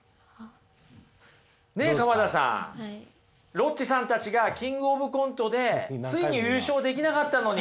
ロッチさんたちが「キングオブコント」でついに優勝できなかったのに。